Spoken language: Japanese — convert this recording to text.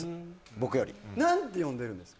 僕より何て呼んでるんですか？